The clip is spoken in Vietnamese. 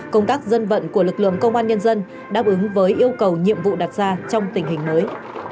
công tác dân vận của lực lượng công an nhân dân đáp ứng với yêu cầu nhiệm vụ đặt ra trong tình hình mới